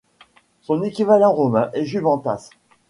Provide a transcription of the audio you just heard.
Son équivalent romain est Juventas.